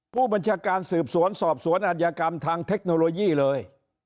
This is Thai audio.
ผู้บัญชาการสืบสวนสอบสวนอัธยกรรมทางเทคโนโลยีเลย